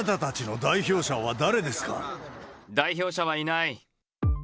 代表者はいない。